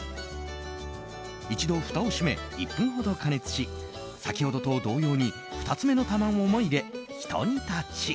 一度ふたを閉め、１分ほど加熱し先ほどと同様に２つ目の卵も入れひと煮立ち。